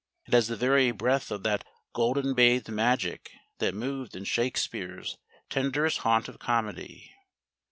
It has the very breath of that golden bathed magic that moved in Shakespeare's tenderest haunt of comedy.